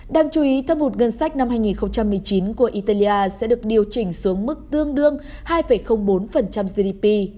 đáng chú ý thâm hụt ngân sách năm hai nghìn một mươi chín của italia sẽ được điều chỉnh xuống mức tương đương hai bốn gdp